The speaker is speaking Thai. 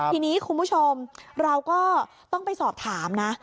ทีนี้คุณผู้ชมเราก็ต้องไปสอบถามนะ